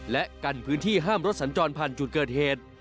และกันพื้นที่ห้ามรถสัญจรผ่านจุดเกิดเหตุ